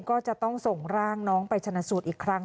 ก็จะต้องส่งร่างน้องไปชนะสูตรอีกครั้ง